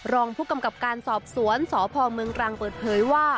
รองผู้กำกับการสอบสวนสพเมืองตรังเปิดเผยว่า